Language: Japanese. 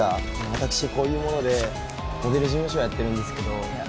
私こういう者でモデル事務所やってるんですけどいや